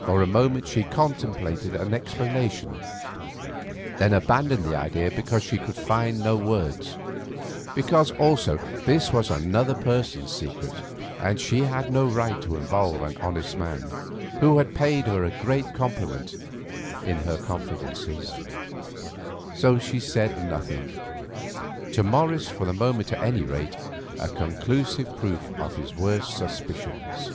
For a moment she contemplated an explanation, then abandoned the idea because she could find no words; because, also, this was another person's secret, and she had no right to involve an honest man, who had paid her a great compliment, in her confidences. So she said nothing. To Morris, for the moment at any rate, a conclusive proof of his worst suspicions.